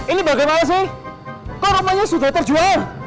ini bagaimana sih kok rumahnya sudah terjual